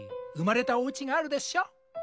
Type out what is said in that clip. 生まれたおうちがあるでしょ？